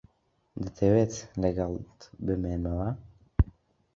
دەتەوێت لەگەڵت بمێنمەوە؟